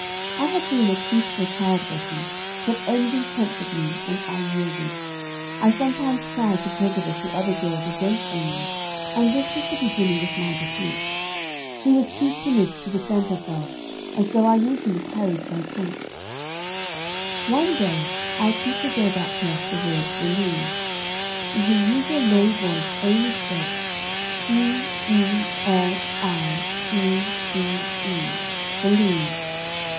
I had been a truthful child, Bessie, but envy tempted me, and I yielded. I sometimes tried to prejudice the other girls against Amy, and this was the beginning of my deceit. She was too timid to defend herself, and so I usually carried my point. "One day our teacher gave out to us the word, believe. In her usual low voice, Amy spelt _'b e l i e v e, believe.'